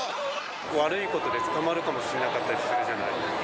悪いことで捕まるかもしれなかったりするじゃないですか。